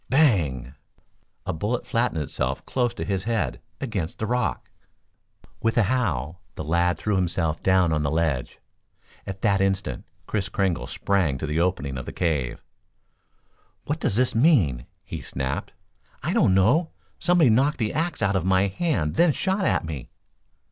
Bang! A bullet flattened itself close to his head, against the rock. With a howl, the lad threw himself down on the ledge. At that instant Kris Kringle sprang to the opening of the cave. "What does this mean?" he snapped. "I don't know. Somebody knocked the axe out of my hand then shot at me."